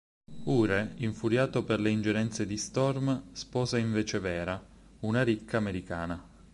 Ure, infuriato per le ingerenze di Storm, sposa invece Vera, una ricca americana.